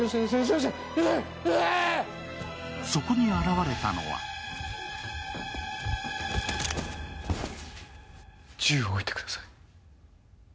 そこに現れたのは銃を置いてください。